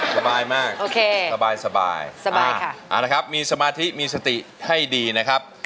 สบายมากโอเคสบายค่ะเอาละครับมีสมาธิมีสติให้ดีนะครับ